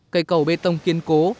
cây cầu bê tông kiên cố